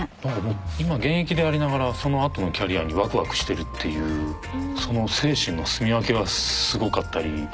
なんかもう今現役でありながらそのあとのキャリアにワクワクしてるっていうその精神の住み分けがすごかったり。